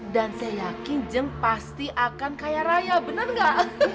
dan saya yakin jeng pasti akan kaya raya bener gak